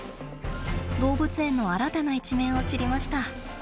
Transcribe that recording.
動物園の新たな一面を知りました。